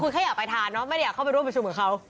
คือแค่อยากไปทานเนอะไม่ได้อยากเข้าไปร่วมประชุมกับเขา